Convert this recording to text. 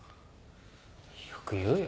よく言うよ。